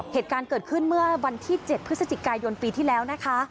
เหตุการณ์เกิดขึ้นเมื่อวันที่๗พฤศจิกายนปีที่แล้วนะคะ